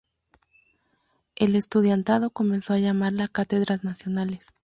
El estudiantado comenzó a llamarla "Cátedras Nacionales".